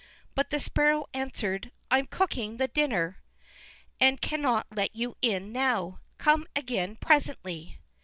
But the Sparrow answered: "I'm cooking the dinner; I cannot let you in now; come again presently."